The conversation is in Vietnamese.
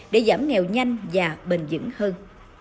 để giảm nghèo nhanh và bền dững hơn